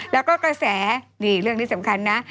แล้วก็กระแสนี่เรื่องนี้สำคัญนะ